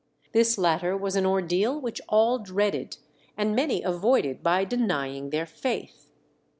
This latter was an ordeal which all dreaded, and many avoided by denying their faith.